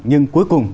nhưng cuối cùng